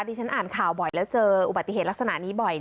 ที่ฉันอ่านข่าวบ่อยแล้วเจออุบัติเหตุลักษณะนี้บ่อย